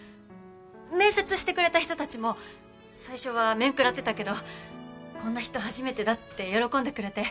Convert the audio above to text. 面接してくれた人たちも最初は面食らってたけど「こんな人初めてだ」って喜んでくれて。